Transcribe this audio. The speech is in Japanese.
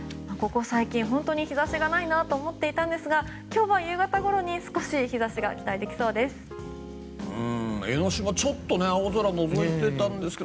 ここ最近本当に日差しがないなと思っていたんですが今日は夕方ごろに少し日差しが期待できそうです。